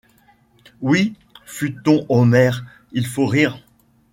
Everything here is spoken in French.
Oui, fût-on Homère, il faut rire ;